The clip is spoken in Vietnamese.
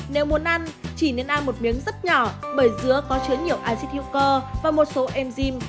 nếu muốn ăn chỉ nên ăn một miếng rất nhỏ bởi dứa có chứa nhiều acid hữu cơ và một số enzym